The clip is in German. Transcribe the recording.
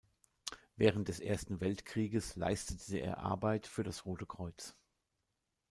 Während des Ersten Weltkrieges leistete er Arbeit für das Rote Kreuz.